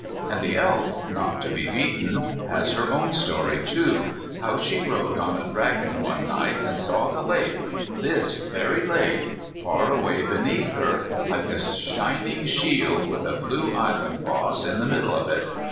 And the Elf, not to be beaten, has her story, too, how she rode on a dragon one night and saw the lake this very lake far away beneath her, like a shining shield with a blue island boss in the middle of it.